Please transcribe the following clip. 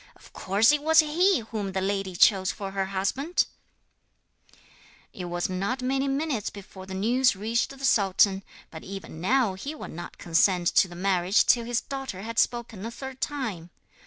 Of course it was he whom the lady chose for her husband!' It was not many minutes before the news reached the sultan; but even now he would not consent to the marriage till his daughter had spoken a third time.